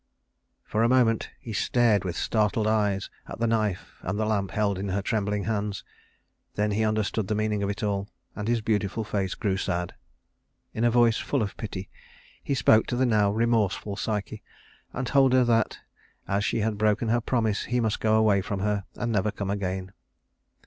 For a moment he stared with startled eyes at the knife and the lamp held in her trembling hands; then he understood the meaning of it all, and his beautiful face grew sad. In a voice full of pity he spoke to the now remorseful Psyche, and told her that, as she had broken her promise, he must go away from her and never come again.